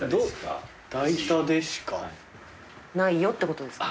ないよってことですか？